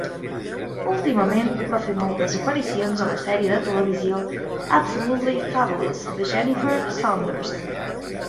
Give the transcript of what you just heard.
Últimament, va fer moltes aparicions a la sèrie de televisió "Absolutely Fabulous" de Jennifer Saunders.